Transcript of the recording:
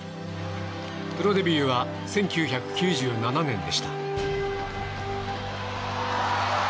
プロデビューは１９９７年でした。